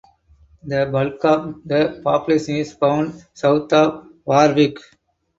The bulk of the population is found south of Warwick.